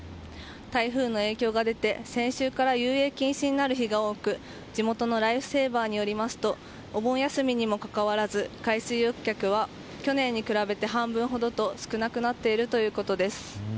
台風の影響が出て先週から遊泳禁止になる日が多く地元のライフセーバーによりますとお盆休みにもかかわらず海水浴客は去年に比べて半分ほどと少なくなっているということです。